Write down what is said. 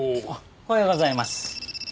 おはようございます。